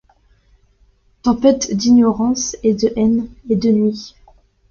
Tempête d'ignorance, et de haine, et de nuit